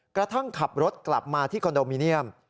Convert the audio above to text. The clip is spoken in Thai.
กระทั่งขับรถกลับมาที่คอนโดมิเนียม